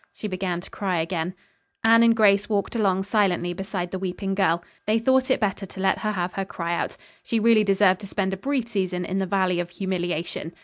She began to cry again. Anne and Grace walked along silently beside the weeping girl. They thought it better to let her have her cry out. She really deserved to spend a brief season in the Valley of Humiliation.